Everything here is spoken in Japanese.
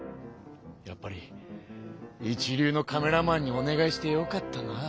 やっぱり一流のカメラマンにお願いしてよかったな。